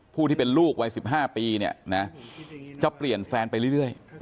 ผู้ที่เป็นลูกวัยสิบห้าปีเนี่ยนะจะเปลี่ยนแฟนไปเรื่อยเรื่อย